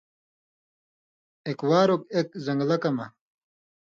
اېک وار اوک اېک زنگلہ کہ مہ